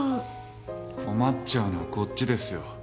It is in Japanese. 困っちゃうのはこっちですよ。